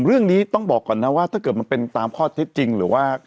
เรื่องนี้ต้องบอกก่อนนะว่าถ้าเกิดมันเป็นตามข้อเท็จจริงหรือว่า